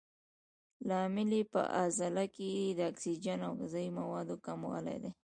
لامل یې په عضله کې د اکسیجن او غذایي موادو کموالی دی.